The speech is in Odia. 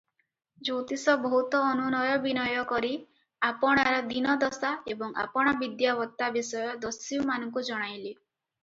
ଜ୍ୟୋତିଷ ବହୁତ ଅନୁନୟ ବିନୟ କରି ଆପଣାର ଦୀନଦଶା ଏବଂ ଆପଣା ବିଦ୍ୟାବତ୍ତା ବିଷୟ ଦସ୍ୟୁମାନଙ୍କୁ ଜଣାଇଲେ ।